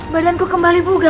badanku kembali bugar